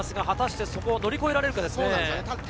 果たしてそこを乗り越えられるかですね。